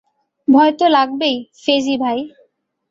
ভয় তো লাগবেই, ফেজি ভাই।